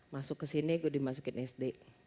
masuk ke sini gue dimasukin sd